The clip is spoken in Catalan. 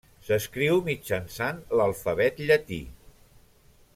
S'escriu mitjançant l'alfabet llatí.